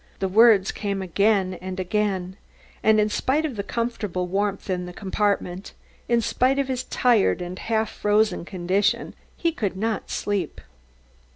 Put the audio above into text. the words came again and again, and in spite of the comfortable warmth in the compartment, in spite of his tired and half frozen condition, he could not sleep.